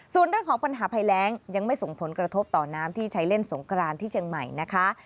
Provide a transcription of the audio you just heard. ส่วนเรื่องของปัญหาภัยแรงยังไม่ส่งผลกระทบต่อน้ำที่ใช้เล่นสงกรานที่เชียงใหม่นะคะ